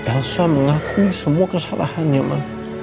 elsa mengakui semua kesalahannya mbak